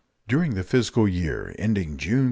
During the fiscal year ending June 30.